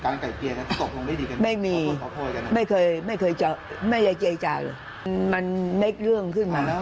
รพไม่เคยเจจาไม่ได้เจจามันเมคเรื่องขึ้นมา